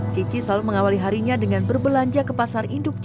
cici selalu mengawali harinya dengan berbelanja ke pasar induk